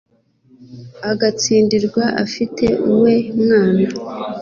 agatsindirwa afite uwe mwana